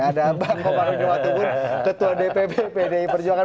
ada bang omar bin watubun ketua dpp pdi perjuangan